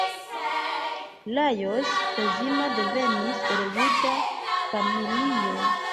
Lajos Kozma devenis el juda familio.